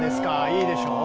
いいでしょう？